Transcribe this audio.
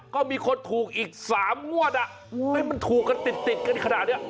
ก็มีคนถูกอีก๓งวดมันถูกกันติดกันขนาดนี้